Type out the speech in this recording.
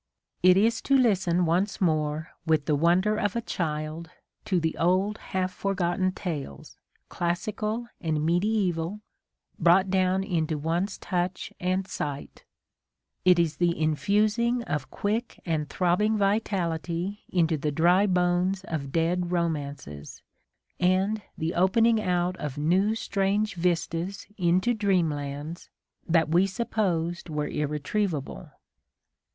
It is to listen once more, with the wonder of a child, to the old half forgotten tales, classical and mediaeval, brought down into one's touch and sight : it is the infusing of quick and throbbing vitality into the dry bones of dead romances, and the opening out of new strange vistas into dreamlands that we supposed were irretrievable.